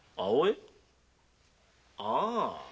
ああ。